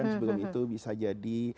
sebelum itu bisa jadi